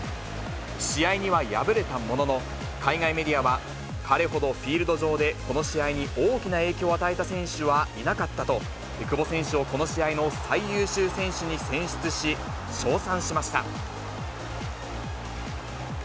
試合には敗れたものの、海外メディアは、彼ほどフィールド上でこの試合に大きな影響を与えた選手はいなかったと、久保選手をこの試合の最優秀選手に選出し、称賛しました。